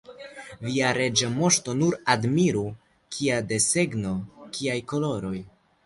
Via Reĝa Moŝto nur admiru, kia desegno, kiaj koloroj!